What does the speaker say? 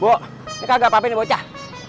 bu ini kagak apa apa ini bocah